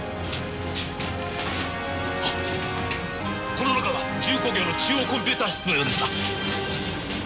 この中は重工業の中央コンピューター室のようですな。